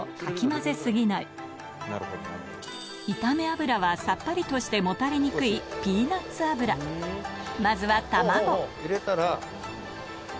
炒め油はさっぱりとしてもたれにくいまずは卵入れたら。